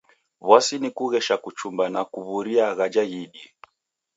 W'asi ni kughesha kuchumba na kuw'uria ghaja ghiidie.